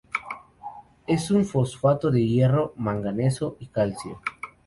Es un fosfato de hierro, manganeso y calcio.